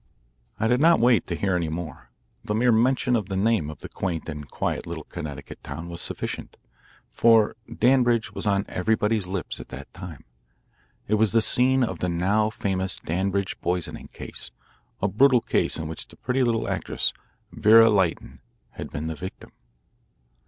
I did not wait to hear any more. The mere mention of the name of the quaint and quiet little Connecticut town was sufficient. For Danbridge was on everybody's lips at that time. It was the scene of the now famous Danbridge poisoning case a brutal case in which the pretty little actress, Vera Lytton, had been the victim.